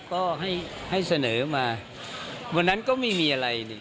ก็ให้เสนอมาวันนั้นก็ไม่มีอะไร